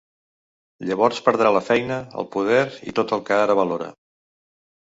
Llavors perdrà la feina, el poder i tot el que ara valora.